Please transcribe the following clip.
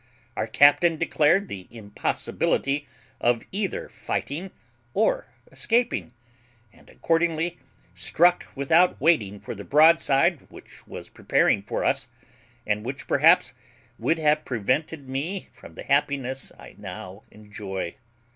Our captain declared the impossibility of either fighting or escaping, and accordingly struck without waiting for the broadside which was preparing for us, and which perhaps would have prevented me from the happiness I now enjoy."